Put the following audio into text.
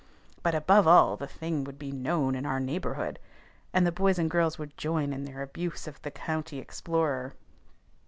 But, above all, the thing would be known in our neighborhood, and the boys and girls would join in their abuse of the county explorer.